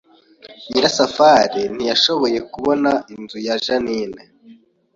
Nyirasafari ntiyashoboye kubona inzu ya Jeaninne